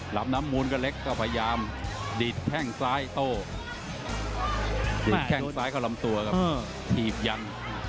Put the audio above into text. ลำน้ำมูลก็เล็กก็พยายามดีดแข้งซ้ายโต้ดีดแข้งซ้ายเข้าลำตัวครับถีบยัน